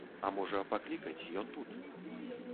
А можа, паклікаць, ён тут.